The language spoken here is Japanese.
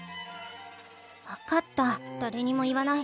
分かった誰にも言わない。